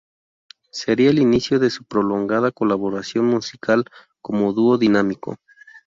Sería el inicio de su prolongada colaboración musical como Dúo Dinámico.